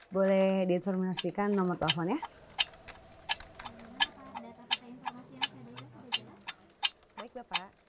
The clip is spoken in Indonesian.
boleh diinformasikan nomor teleponnya